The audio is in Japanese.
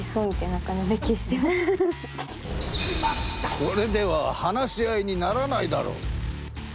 これでは話し合いにならないだろう！